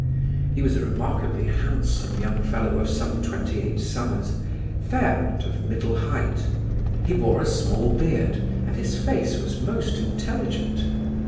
He was a remarkably handsome young fellow of some twenty eight summers, fair and of middle height; he wore a small beard, and his face was most intelligent.